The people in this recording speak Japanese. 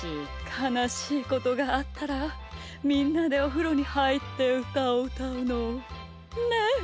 かなしいことがあったらみんなでおふろにはいってうたをうたうの！ね？ね！